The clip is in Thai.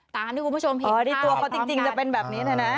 ตามที่คุณผู้ชมเห็นในตัวเขาจริงจะเป็นแบบนี้นะนะ